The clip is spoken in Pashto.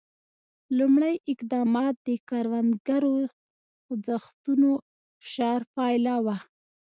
لومړي اقدامات د کروندګرو خوځښتونو فشار پایله وه.